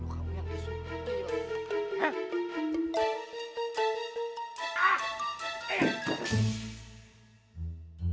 kamu yang besok